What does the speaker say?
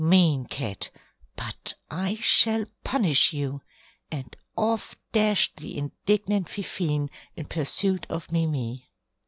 Mean cat; but I shall punish you," and off dashed the indignant Fifine in pursuit of Mimi.